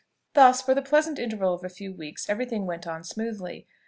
Thus, for the pleasant interval of a few weeks, every thing went on smoothly.